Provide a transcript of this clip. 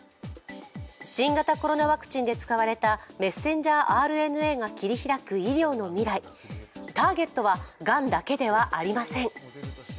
新型コロナワクチンで使われたメッセンジャーＲＮＡが切り開く未来、ターゲットはがんだけではありません。